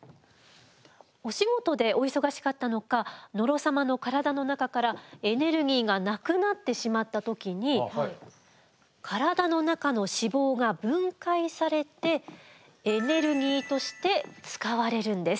お仕事でお忙しかったのか野呂様の体の中からエネルギーがなくなってしまった時に体の中の脂肪が分解されてエネルギーとして使われるんです。